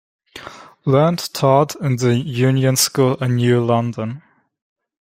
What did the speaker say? Learned taught in the Union School in New London.